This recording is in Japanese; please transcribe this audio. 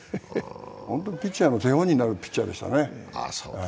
ピッチャーの手本になるピッチャーでしたね。